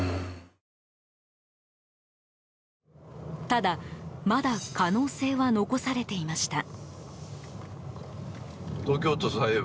ただ、まだ可能性は残されていました。